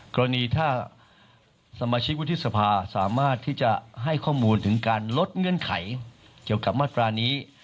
กรณีถ้าสมาชิกวุฒิสภาสามารถที่จะให้ข้อมูลถึงการลดเงื่อนไขเกี่ยวกับมาตรานี้